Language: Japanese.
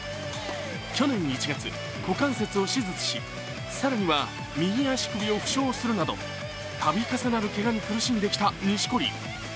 去年１月、股関節を手術し更には右足首を負傷するなど度重なるけがに苦しんできた錦織。